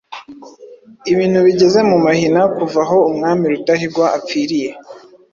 Ibintu bigeze mu mahina, kuva aho umwami Rudahigwa apfiiriye,